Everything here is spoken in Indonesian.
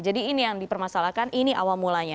jadi ini yang dipermasalahkan ini awal mulanya